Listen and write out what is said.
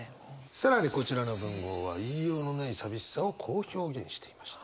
更にこちらの文豪は言いようのない寂しさをこう表現していました。